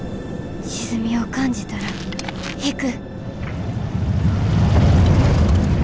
沈みを感じたら引く。